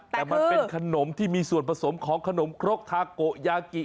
แต่มันเป็นขนมที่มีส่วนผสมของขนมครกทาโกยากิ